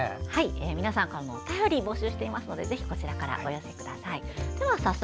皆さんからのお便りを募集していますのでお寄せください。